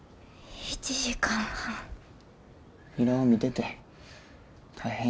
由良を見てて大変